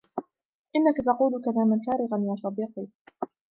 إنك تقول كلاما فارغا يا صديقي.